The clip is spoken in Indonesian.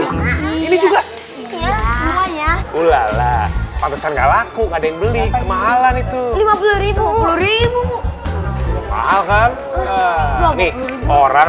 ini ini juga ya pantesan gak laku ada yang beli kemahalan itu rp lima puluh mahal kan orang